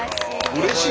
うれしい！